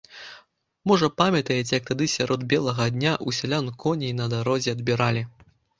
Можа, памятаеце, як тады сярод белага дня ў сялян коней на дарозе адбіралі.